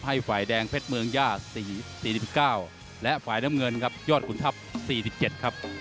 ให้ฝ่ายแดงเพชรเมืองย่า๔๙และฝ่ายน้ำเงินครับยอดขุนทัพ๔๗ครับ